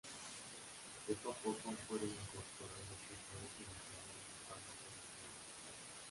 Poco a poco fueron incorporando escritores e ilustradores de fama internacional.